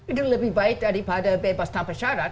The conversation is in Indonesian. itu lebih baik daripada bebas tanpa syarat